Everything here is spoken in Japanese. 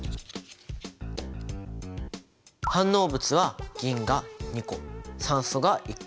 反応物は銀が２個酸素が１個。